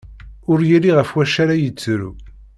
Ur yelli ɣef wacu ara yettru.